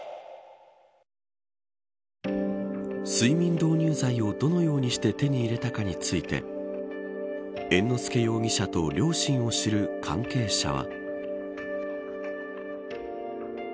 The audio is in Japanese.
睡眠導入剤をどのようにして手に入れたかについて猿之助容疑者と両親を知る関係者は。